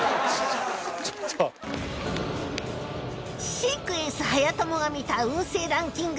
シークエンスはやともが見た運勢ランキング